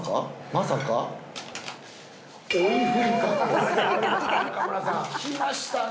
まさか？いきましたね